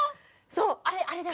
そうあれあれです